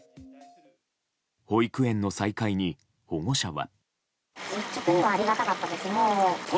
保育園の再開に、保護者は。